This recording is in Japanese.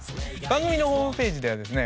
番組のホームページではですね